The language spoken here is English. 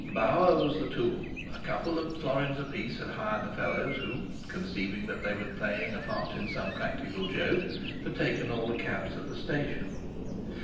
Bauer was the tool; a couple of florins apiece had hired the fellows who, conceiving that they were playing a part in some practical joke, had taken all the cabs at the station.